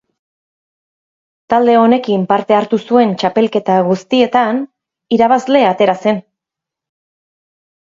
Talde honekin parte hartu zuen txapelketa guztietan irabazle atera zen.